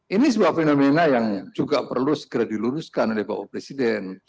ini sebuah fenomena yang juga perlu segera diluruskan oleh bapak presiden